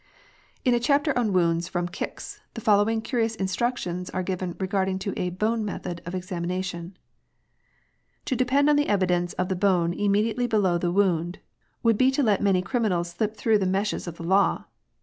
i84 INQUESTS. In a chapter on wounds from kicks, the following curious instructions are given regarding a *' bone method " of examination :—" To depend on the evidence of the bone immediately below the wound would be to let many criminals slip through the meshes of the law.